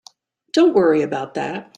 Don't worry about that.